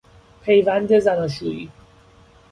پیوند زناشویی